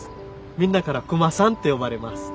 みんなからクマさんって呼ばれます。